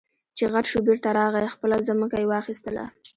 چې غټ شو بېرته راغی خپله ځمکه يې واخېستله.